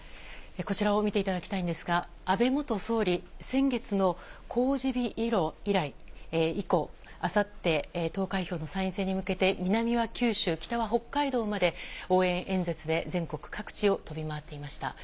こちらを見ていただきたいんですが、安倍元総理、先月の公示日以降、あさって投開票の参院選に向けて、南は九州、北は北海道、応援演説で全国各地を飛び回っていました。